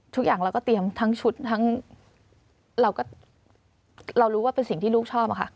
ทุกอย่างเราก็เตรียมทั้งชุดทั้งเราก็เรารู้ว่าเป็นสิ่งที่ลูกชอบค่ะ